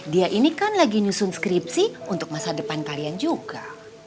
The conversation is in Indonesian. dia ini kan lagi nyusun skripsi untuk masa depan kalian juga